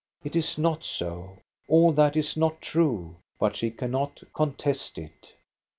It is not so, all that is not true ; but she cannot contest it.